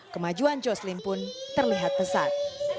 kemajuan joslim pun terlihat pesat